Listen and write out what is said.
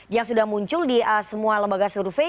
yang sudah muncul di semua lembaga survei